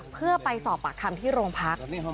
เพื่อไปสอบปากคำที่โรงพัก